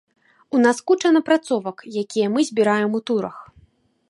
У нас куча напрацовак, якія мы збіраем у турах.